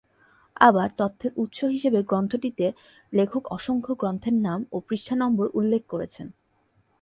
আবার, তথ্যের উৎস হিসেবে গ্রন্থটিতে লেখক অসংখ্য গ্রন্থের নাম ও পৃষ্ঠা নম্বর উল্লেখ করেছেন।